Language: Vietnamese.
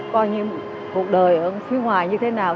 coi như cuộc đời ở phía ngoài như thế nào